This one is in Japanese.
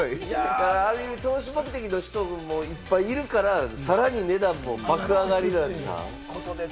投資目的の人もいっぱいいるから、さらに値段も爆上がりなんちゃう？